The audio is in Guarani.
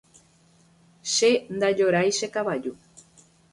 Che ndajorái che kavaju.